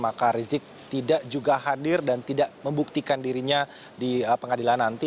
maka rizik tidak juga hadir dan tidak membuktikan dirinya di pengadilan nanti